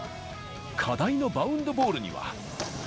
課題のバウンドボールには。